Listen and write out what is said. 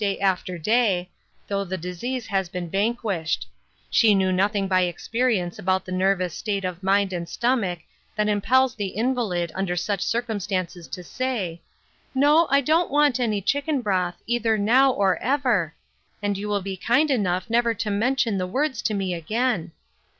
229 day after day, though the disease has been van quished ; she knew nothing by experience about the nervous state of mind and stomach that impels an invalid under such circumstances to say, " No, I don't want any chicken broth, either now, or ever ; and you will be kind enough never to mention the words to me again."